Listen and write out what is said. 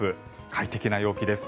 快適な陽気です。